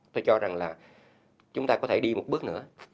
tôi cho rằng là chúng ta có thể đi một bước nữa